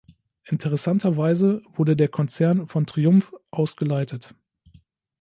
Interessanterweise wurde der Konzern von Triumph aus geleitet.